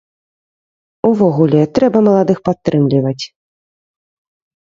Увогуле, трэба маладых падтрымліваць.